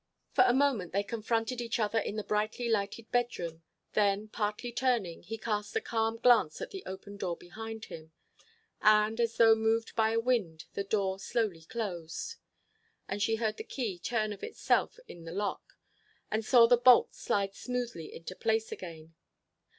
For a moment they confronted each other in the brightly lighted bedroom, then, partly turning, he cast a calm glance at the open door behind him; and, as though moved by a wind, the door slowly closed. And she heard the key turn of itself in the lock, and saw the bolt slide smoothly into place again.